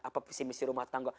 apa visi misi rumah tangga